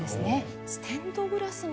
ステンドグラスも。